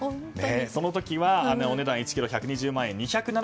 その時はお値段１ｋｇ１２０万円。